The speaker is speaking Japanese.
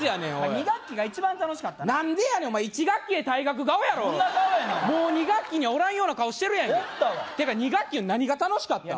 ２学期が一番楽しかったな何でやねん１学期で退学顔やろどんな顔やねんもう２学期におらんような顔してるやんおったわ２学期の何が楽しかったん？